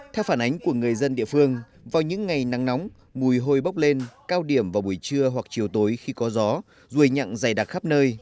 theo phản ánh của người dân địa phương vào những ngày nắng nóng mùi hôi bốc lên cao điểm vào buổi trưa hoặc chiều tối khi có gió ruồi nhặng dày đặc khắp nơi